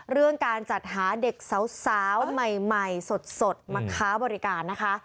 เรื่องการจัดหาเด็กสาวใหม่สดมาค้าบริการนะคะ